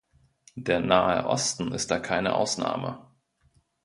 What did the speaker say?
Der Nahe Osten ist da keine Ausnahme.